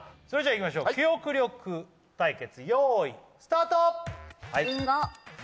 それじゃあいきましょう記憶力対決よいスタート！